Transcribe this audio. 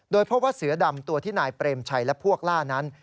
เพราะว่าเสือดำตัวที่นายเปรมชัยและพวกล่านั้น